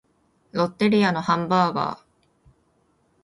ロッテリアのハンバーガー